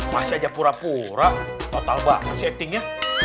masih aja pura pura total banget settingnya